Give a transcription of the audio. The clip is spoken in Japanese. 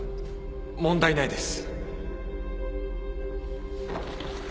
問題ないです。